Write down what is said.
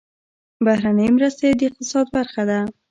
بهرنۍ مرستې د اقتصاد برخه ده